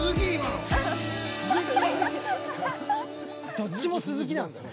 どっちも鈴木なんだよ。